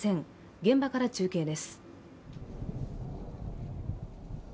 現場から中継です。